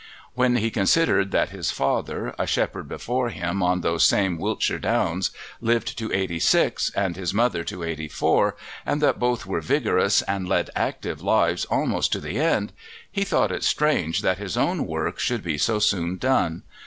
When he considered that his father, a shepherd before him on those same Wiltshire Downs, lived to eighty six, and his mother to eighty four, and that both were vigorous and led active lives almost to the end, he thought it strange that his own work should be so soon done.